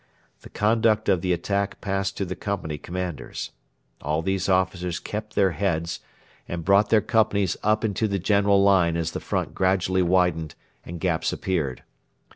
The conduct of the attack passed to the company commanders. All these officers kept their heads, and brought their companies up into the general line as the front gradually widened and gaps appeared.